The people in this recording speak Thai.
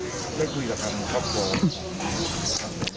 อืม